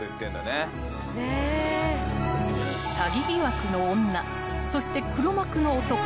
［詐欺疑惑の女そして黒幕の男］